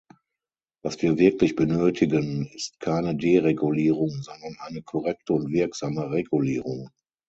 Was wir wirklich benötigen, ist keine Deregulierung, sondern eine korrekte und wirksame Regulierung.